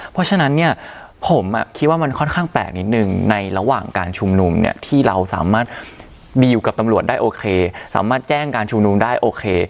เพราะฉะนั้นเนี่ยผมคิดว่ามันค่อนข้างแปลกนิดนึงในระหว่างการชุมนุมเนี่ยที่เราสามารถดีลกับตำรวจได้โอเคสามารถแจ้งการชุมนุมได้โอเค